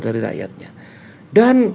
dari rakyatnya dan